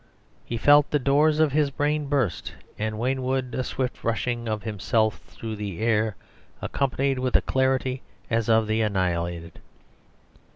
He felt the doors of his brain burst, and Wainwood a swift rushing of himself through air accompanied with a clarity as of the annihilated."